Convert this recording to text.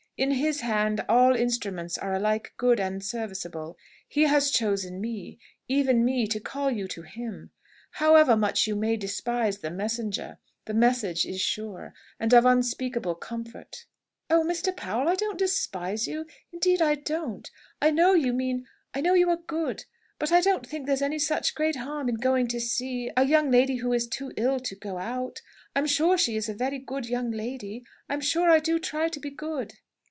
In His hand all instruments are alike good and serviceable. He has chosen me, even me, to call you to Him. However much you may despise the Messenger, the message is sure, and of unspeakable comfort." "Oh, Mr. Powell, I don't despise you. Indeed I don't! I know you mean I know you are good. But I don't think there's any such great harm in going to see a a young lady who is too ill to go out. I'm sure she is a very good young lady. I'm sure I do try to be good."